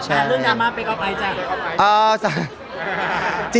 ค่ะเรื่องย้ำมาไปกล่อไปจ๊ะ